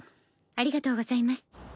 ありがとうございます。